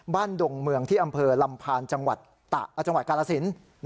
ดงเมืองที่อำเภอลำพานจังหวัดกาลสิน